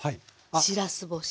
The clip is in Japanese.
しらす干し。